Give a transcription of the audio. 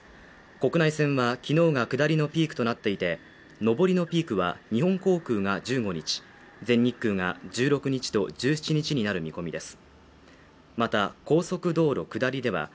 国内線は昨日が下りのピークとなっていて上りのピークは日本航空が１５日全日空が１６日と１７日になる見込みです